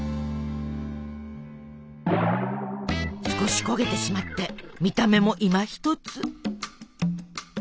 少し焦げてしまって見た目もいまひとつ。